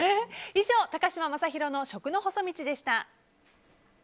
以上、高嶋政宏の食の細道でした。